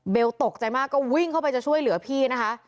ตกใจมากก็วิ่งเข้าไปจะช่วยเหลือพี่นะคะ